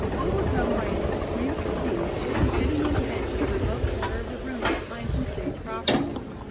Overcome by an extreme fatigue, she had been sitting on a bench in a remote corner of the room behind some stage property.